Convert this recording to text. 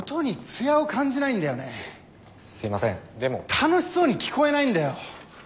楽しそうに聞こえないんだよ！